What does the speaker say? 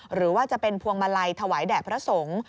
หรือว่าจะเป็นพวงมาลัยถวายแด่พระสงฆ์